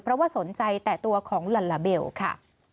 เพราะว่าสนใจแต่ตัวของลัลลาเบลค่ะ